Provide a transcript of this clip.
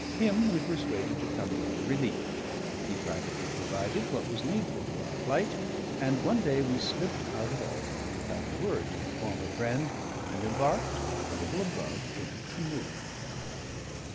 Him we persuaded to come to our relief; he privately provided what was needful for our flight, and one day we slipped out of Albany, without a word to our former friend, and embarked, a little above, in a canoe.